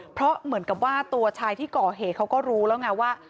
เพราะเหมือนกับว่าตัวชายที่ก่อเหตุเขาก็รู้แล้วไงว่า